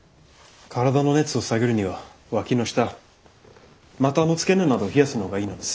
体の熱を下げるにはわきの下股の付け根などを冷やすのがいいのです。